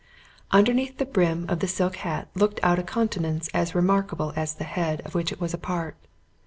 Underneath the brim of the silk hat looked out a countenance as remarkable as the head of which it was a part.